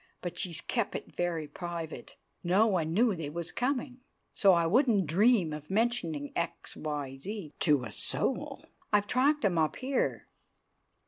But she's kep' it very private; no one knew they was coming, so I wouldn't dream of mentioning X Y Z to a soul. I've tracked 'em up here.